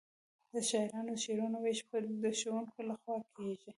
د شاعرانو د شعرونو وېش به د ښوونکي له خوا کیږي.